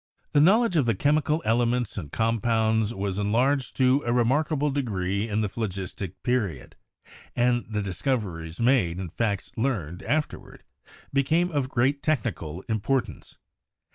The knowledge of the chemical elements and compounds was enlarged to a remarkable degree in the Phlogistic Period, and the discoveries made and facts learned after ward became of great technical importance.